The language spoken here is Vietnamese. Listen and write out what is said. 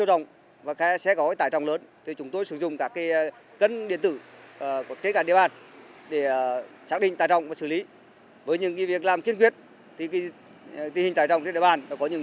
do đó tình trạng các xe quá khổ quá tải với tổng số tiền phạt là hơn năm trăm linh triệu đồng